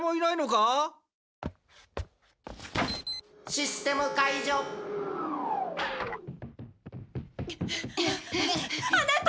「システム解除」あなた！